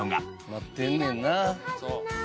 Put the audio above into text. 待ってんねんな。